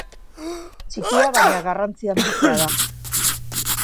Txikia baina garrantzi handikoa da.